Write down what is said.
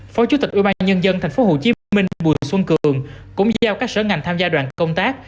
phó chủ tịch ủy ban nhân dân tp hcm bùi xuân cường cũng giao các sở ngành tham gia đoàn công tác